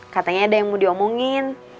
katanya ada yang mau diomongin